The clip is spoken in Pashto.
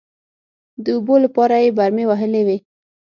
د اوبو لپاره يې برمې وهلې وې.